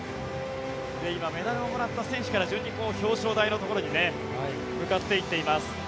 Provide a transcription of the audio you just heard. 今、メダルをもらった選手から順に表彰台のところに向かっていっています。